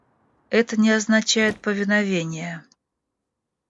Это не означает повиновение.